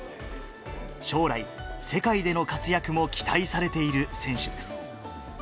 将来、世界での活躍も期待されている選手です。